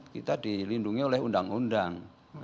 kita dilindungi oleh undang undang